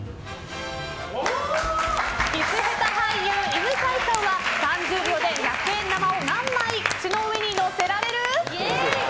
キス下手俳優、犬飼さんは３０秒で百円玉を何枚口の上に乗せられる？